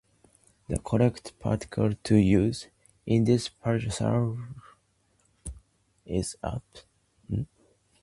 The correct particle to use in this phrasal verb is "up".